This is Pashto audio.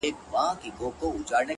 پوره اته دانې سمعان ويلي كړل؛